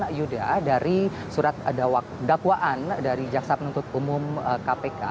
kita melihatkan yudha dari surat dakwaan dari jaksa penuntut umum kpk